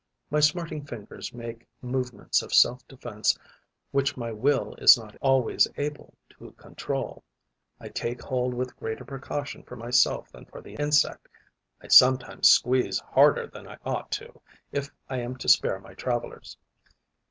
My smarting fingers make movements of self defence which my will is not always able to control. I take hold with greater precaution for myself than for the insect; I sometimes squeeze harder than I ought to if I am to spare my travellers.